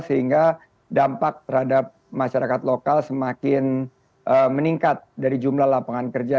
sehingga dampak terhadap masyarakat lokal semakin meningkat dari jumlah lapangan kerja